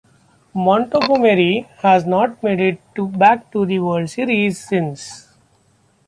Montgomery has not made it back to the World Series since.